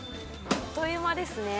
あっという間ですね。